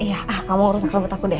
iya kamu rusak rambut aku deh